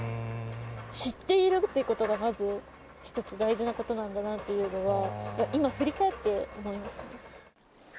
知っているってことが大事、まず一つ大事なことなんだなっていうのは、今振り返って思いますね。